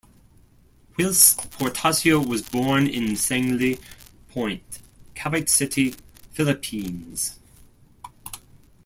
Whilce Portacio was born in Sangley Point, Cavite City, Philippines.